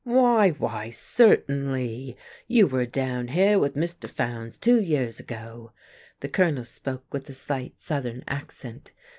"Why why certainly, you were down heah with Mr. Fowndes two years ago." The Colonel spoke with a slight Southern accent.